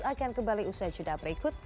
akan kembali usai jeda berikut